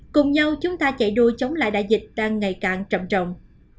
cùng nhau chúng ta chạy đua chống lại đại dịch đang ngày càng trầm trọng